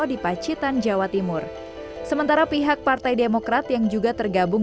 di pacitan jawa timur sementara pihak partai demokrat yang juga tergabung